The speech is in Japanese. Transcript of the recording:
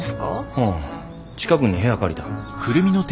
うん近くに部屋借りた。